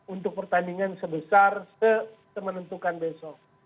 untuk pertandingan sebesar semenentukan besok